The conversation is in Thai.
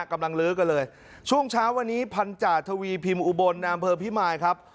กำลังลื้อก็เลยช่วงเช้าวันนี้พันจาทวีพิมอุบลนอำเภอพิมายครับ